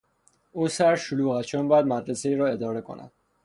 او سرش شلوغ است چون باید مدرسهای را اداره کند.